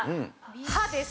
歯です。